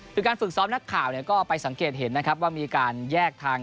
คือการฝึกซ้อมนักข่าวก็ไปสังเกตเห็นนะครับว่ามีการแยกทาง